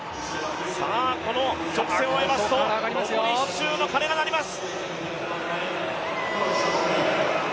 この直線を終えますと、残り１周の鐘が鳴ります。